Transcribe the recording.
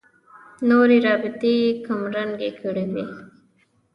نورې رابطې یې کمرنګې کړې وي.